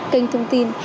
kênh thông tin